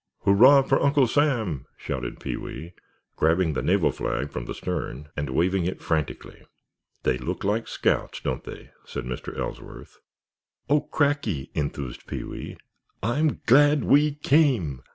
"Hurrah for Uncle Sam!" shouted Pee wee, grabbing the naval flag from the stern and waving it frantically. "They look like scouts, don't they?" said Mr. Ellsworth. "Oh, cracky," enthused Pee wee. "I'm glad we came!"